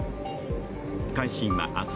「海進」は明日